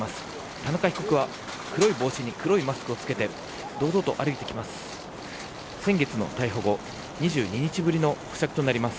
田中被告は黒い帽子に黒いマスクを着けて堂々と歩いてきます。